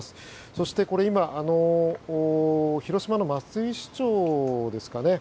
そして今、広島の松井市長ですかね。